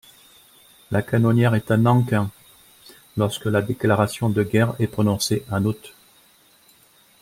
La canonnière est à Nankin, lorsque la déclaration de guerre est prononcée en août.